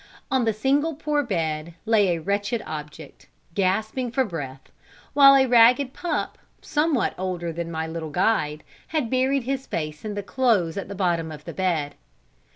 On the single poor bed lay a wretched object, gasping for breath, while a ragged pup, somewhat older than my little guide, had buried his face in the clothes at the bottom of the bed.